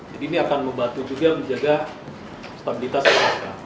jadi ini akan membantu juga menjaga stabilitas ssk